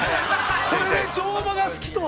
これで乗馬が好きとは。